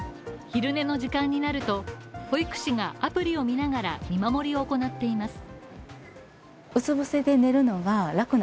昼寝の時間になると、保育士がアプリを見ながら見守りを行っています。